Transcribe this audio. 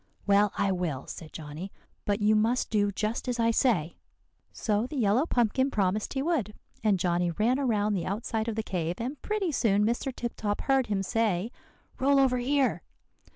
"'Well, I will,' said Johnny; 'but you must do just as I say.' So the yellow pumpkin promised he would; and Johnny ran around the outside of the cave, and pretty soon Mr. Tip Top heard him say 'Roll over here.